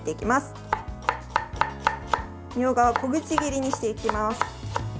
みょうがを小口切りにしていきます。